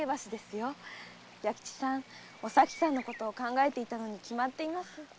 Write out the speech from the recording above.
弥吉さんお咲さんのことを考えていたのに決まっています。